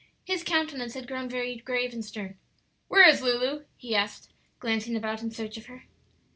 His countenance had grown very grave and stern. "Where is Lulu?" he asked, glancing about in search of her.